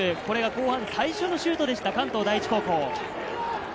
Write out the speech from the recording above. これが後半、最初のシュートでした、関東第一高校。